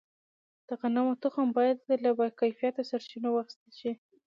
د غنمو تخم باید له باکیفیته سرچینو واخیستل شي.